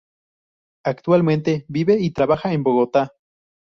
Actualmente, vive y trabaja en Bogotá.